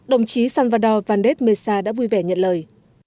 đồng chí salvador vandes mesa đã vui vẻ nhận lời